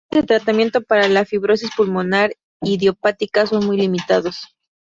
Las opciones de tratamiento para la fibrosis pulmonar idiopática son muy limitados.